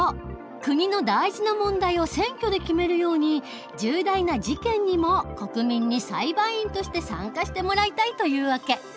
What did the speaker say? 国の大事な問題を選挙で決めるように重大な事件にも国民に裁判員として参加してもらいたいという訳。